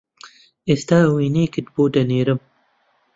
ئێستا وێنەیەکت بۆ دەنێرم